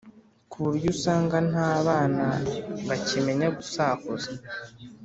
ku buryo usanga nta bana bakimenya gusakuza